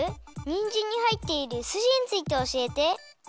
にんじんにはいっているすじについておしえて。